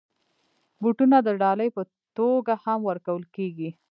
بوټونه د ډالۍ په توګه هم ورکول کېږي.